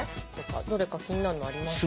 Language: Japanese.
どれか気になるのありますか？